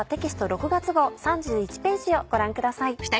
６月号３１ページをご覧ください。